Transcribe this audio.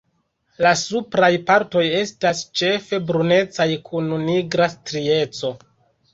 La supraj partoj estas ĉefe brunecaj kun nigra strieco.